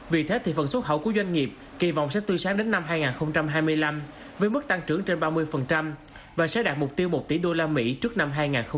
vì thế phần xuất khẩu của doanh nghiệp kỳ vọng sẽ tư sáng đến năm hai nghìn hai mươi năm với mức tăng trưởng trên ba mươi và sẽ đạt mục tiêu một tỷ usd trước năm hai nghìn hai mươi